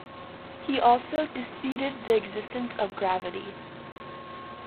He also disputed the existence of gravity.